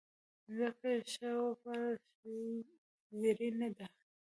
مځکه که ښه وپالل شي، زرینه ده.